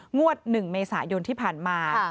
งวด๑เมษายนที่ผ่านมา